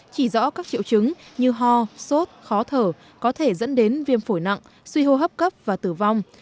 chỉ rõ các triệu chứng như ho sốt khó thở có thể dẫn đến viêm phổi nặng suy hô hấp cấp và tử vong